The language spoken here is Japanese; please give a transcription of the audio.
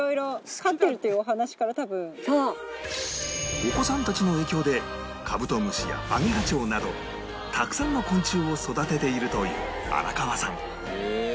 お子さんたちの影響でカブトムシやアゲハチョウなどたくさんの昆虫を育てているという荒川さん